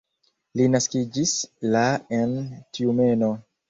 Li naskiĝis la en Tjumeno.